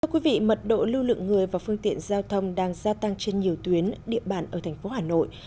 thưa quý vị mật độ lưu lượng người và phương tiện giao thông đang gia tăng trên nhiều tuyến địa bàn ở thành phố hà nội